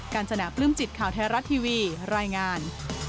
ญจนาปลื้มจิตข่าวไทยรัฐทีวีรายงาน